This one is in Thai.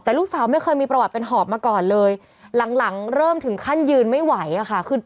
แต่ลูกสาวไม่เคยมีประวัติเป็นหอบมาก่อนเลยหลังหลังเริ่มถึงขั้นยืนไม่ไหวอะค่ะคือ